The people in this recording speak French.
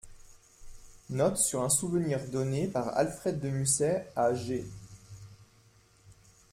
Note sur un souvenir donné par Alfred de Musset à G.